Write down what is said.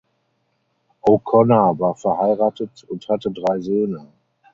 O’Connor war verheiratet und hatte drei Söhne.